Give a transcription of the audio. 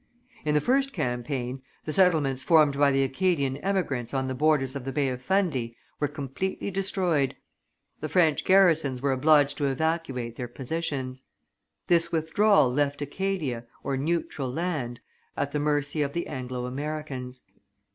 In the first campaign, the settlements formed by the Acadian emigrants on the borders of the Bay of Fundy were completely destroyed: the French garrisons were obliged to evacuate their positions. This withdrawal left Acadia, or neutral land, at the mercy of the Anglo Americans.